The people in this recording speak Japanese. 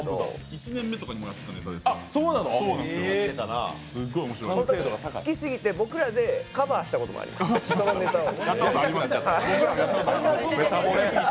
１年目とかにやってたネタですね、好きすぎてカバーしたことがあります、そのネタを。